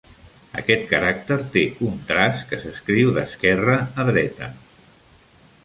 Aquest caràcter té un traç que s'escriu d'esquerra a dreta.